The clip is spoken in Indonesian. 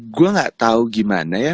gue enggak tahu gimana ya